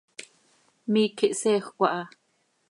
Miiqui hseejöc aha.